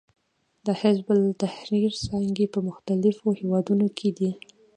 د حزب التحریر څانګې په مختلفو هېوادونو کې دي.